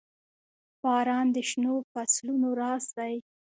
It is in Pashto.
• باران د شنو فصلونو راز دی.